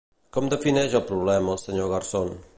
Com defineix el problema el senyor Garzón?